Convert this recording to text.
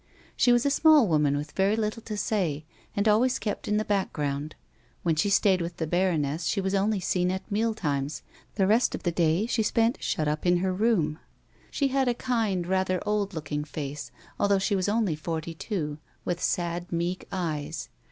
She was a small woman with very little to say, and always kept in t'.io background ; when she stayed with the baroness she was only seen at meal times, the rest of the day she spent shut A WOMAN'S LIFE. 47 up in her room. She had a kind, rather old looking face, although she was only forty two, with sad, meek eyes.